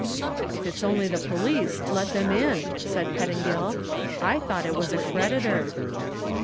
"If it's only the police, let them in," said Pettingill. "I thought it was a creditor."